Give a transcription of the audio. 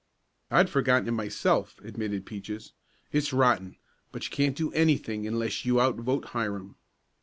"I'd forgotten it myself," admitted Peaches. "It's rotten, but you can't do anything unless you outvote Hiram."